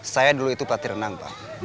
saya dulu itu pati renang pak